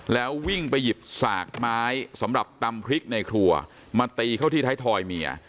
แล้ววิ่งไปหยิบสากไม้สำหรับตำพริกในครัวมาตีเข้าที่ไทยทอยเมีย